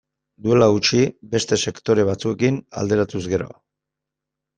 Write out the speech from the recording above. Duela gutxi, beste sektore batzuekin alderatuz gero.